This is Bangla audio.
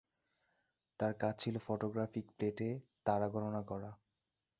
তার কাজ ছিল ফটোগ্রাফিক প্লেটে তারা গণনা করা।